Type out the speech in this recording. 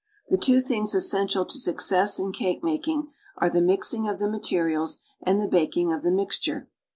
The two things essential to success in cake making are the mixing of the materials and the baking of the mixture.